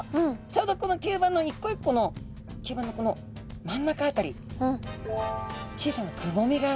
ちょうどこの吸盤の一個一個の吸盤のこの真ん中辺り小さなくぼみがあります。